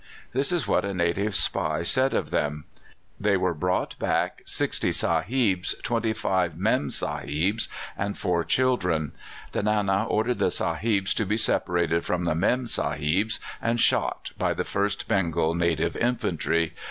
This is what a native spy said of them: "There were brought back sixty sahibs, twenty five mem sahibs, and four children. The Nana ordered the sahibs to be separated from the mem sahibs, and shot by the 1st Bengal Native Infantry.